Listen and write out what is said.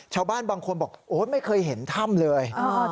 ชาวบ้านบางคนบอกโอ๊ยไม่เคยเห็นถ้ำเลย